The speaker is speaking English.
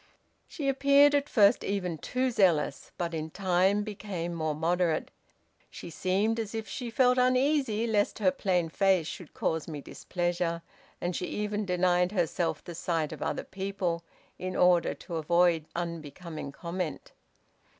She appeared at first even too zealous, but in time became more moderate. She seemed as if she felt uneasy lest her plain face should cause me displeasure, and she even denied herself the sight of other people, in order to avoid unbecoming comment.